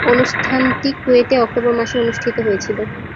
অনুষ্ঠানটি কুয়েটে অক্টোবর মাসে অনুষ্ঠিত হয়েছিলো।